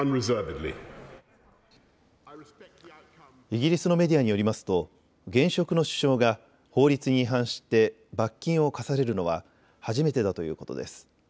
イギリスのメディアによりますと現職の首相が法律に違反して罰金を科されるのは初めてだということです。